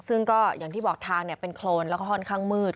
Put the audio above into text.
ซึ่งก็อย่างที่บอกทางเป็นโครนแล้วก็ค่อนข้างมืด